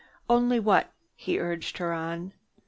"Only what?" He urged her on.